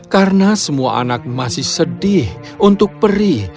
karena semua anak masih sedih untuk peri